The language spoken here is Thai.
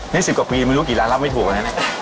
นี่๑๐กว่าปีไม่รู้กี่ร้านรับไม่ถูกอันนั้น